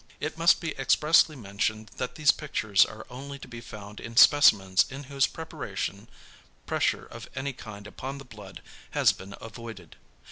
It must be expressly mentioned that these pictures are only to be found in specimens in whose preparation pressure of any kind upon the blood has been avoided.